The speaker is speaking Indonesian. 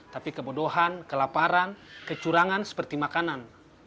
tapi kebodohan kelaparan kecurangan seperti makanan